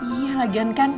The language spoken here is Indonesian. iya lagian kan